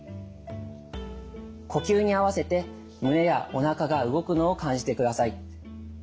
呼吸にあわせて胸やおなかが動くのを感じてください。